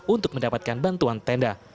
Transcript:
untuk mendapatkan bantuan tenda